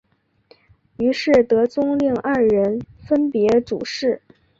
于是德宗令二人分别主事。